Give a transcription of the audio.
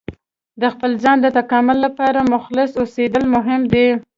د خپل ځان د تکامل لپاره مخلص اوسیدل مهم دي.